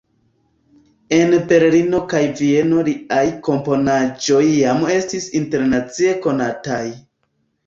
En Berlino kaj Vieno liaj komponaĵoj jam estis internacie konataj.